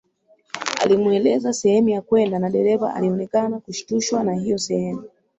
Alimueleza sehemu ya kwenda na dereva alionekana kushitushwa na hiyo sehemu